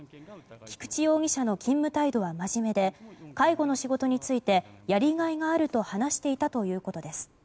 菊池容疑者の勤務態度はまじめで介護の仕事についてやりがいがあると話していたということです。